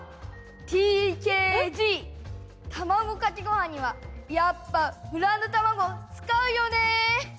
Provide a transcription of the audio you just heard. ＴＫＧ卵かけご飯にはやっぱブランド卵使うよね！